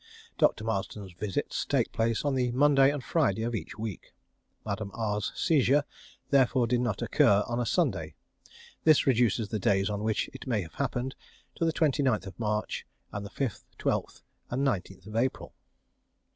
Dr. Marsden's visits take place on the Monday and Friday of each week. Madame R's seizure therefore did not occur on a Sunday. This reduces the days on which it may have happened to the 29th March and 5th, 12th, and 19th April.